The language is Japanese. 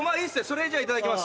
それじゃあいただきます。